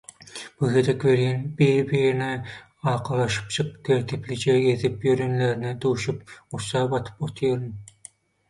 Bu gezek welin biri-birine arkalaşypjyk tertiplije gezip ýörenlerine duşup gussa batyp otyryn.